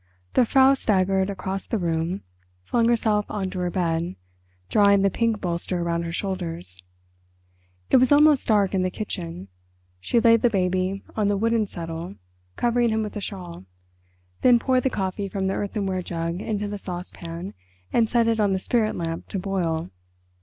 The Frau staggered across the room, flung herself on to her bed, drawing the pink bolster round her shoulders. It was almost dark in the kitchen. She laid the baby on the wooden settle, covering him with a shawl, then poured the coffee from the earthenware jug into the saucepan, and set it on the spirit lamp to boil.